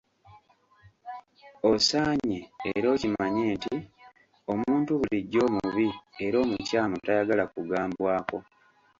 Osaanye era okimanye nti omuntu bulijjo omubi era omukyamu tayagala kugambwako.